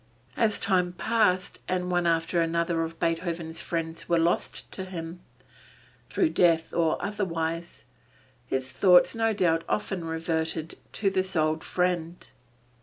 As time passed, and one after another of Beethoven's friends were lost to him through death or otherwise his thoughts no doubt often reverted to this old friend.